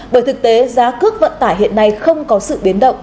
bởi thực tế giá cước vận tải hiện nay không có sự biến động